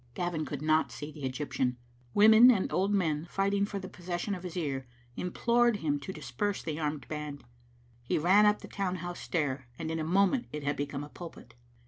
Gavin could not see the Egyptian. Women and old men, fighting for the possession of his ear, implored him to disperse the armed band. He ran up the town house .stair, and in a moment it had become a pulpit.